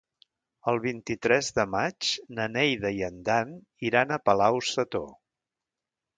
El vint-i-tres de maig na Neida i en Dan iran a Palau-sator.